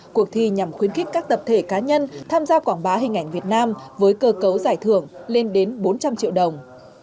cuộc thi nhằm khuyến khích các tập thể cá nhân tham gia quảng bá hình ảnh việt nam với cơ cấu giải thưởng lên đến bốn trăm linh triệu đồng